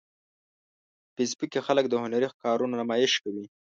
په فېسبوک کې خلک د هنري کارونو نمایش کوي